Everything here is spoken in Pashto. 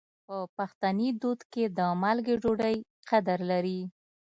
په پښتني دود کې د مالګې ډوډۍ قدر لري.